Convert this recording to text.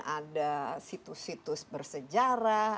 ada situs situs bersejarah